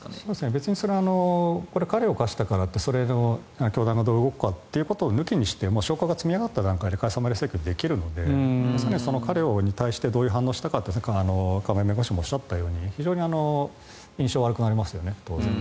別にそれは過料を科したからといって教団がどう動くかは抜きにして証拠が積み上がった段階で解散命令請求できるので過料に対してどういう反応をしたかって亀井弁護士もおっしゃったように非常に印象が悪くなりますよね。